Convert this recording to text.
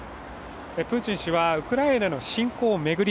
プーチン氏はウクライナへの侵攻を巡り